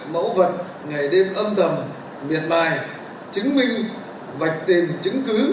mẫu vật ngày đêm âm thầm miệt mài chứng minh vạch tìm chứng cứ